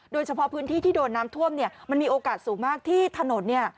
โดยเฉพาะพื้นที่ที่โดนน้ำท่วมเนี่ยมันมีโอกาสสูงมากที่ถนนเนี่ย